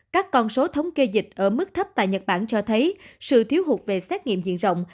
các con số thống kê dịch ở mức thấp tại nhật bản cho thấy sự thiếu hụt về xét nghiệm diện rộng